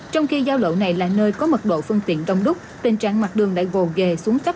trong khi giao lộ này là nơi có mật độ phân tiện đông đúc tên trạng mặt đường đã gồ ghề xuống cấp